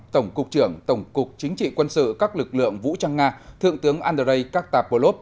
tổng cục trưởng tổng cục chính trị quân sự các lực lượng vũ trang nga thượng tướng andrei kaktapolov